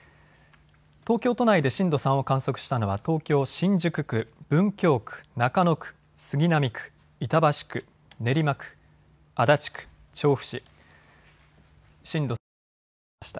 東京都内で震度３を観測したのは東京新宿区、文京区、中野区、杉並区、板橋区、練馬区、足立区、調布市、震度３を観測しました。